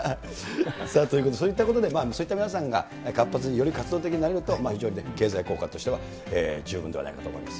そういったことで、そういった皆さんが活発に、より活動的になられると、非常に経済効果としては十分ではないかと思います。